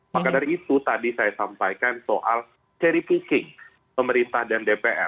maka dari itu tadi saya sampaikan soal charry pooking pemerintah dan dpr